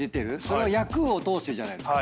役を通してじゃないですか。